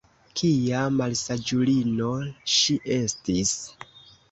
kia malsaĝulino ŝi estis!